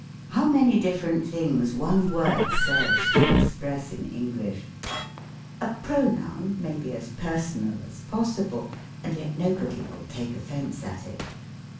How many different things one word serves to express ; in English ! A pronoun may be as personal as possi ' ble, and yet nobody will take offence at it.